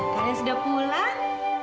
kalian sudah pulang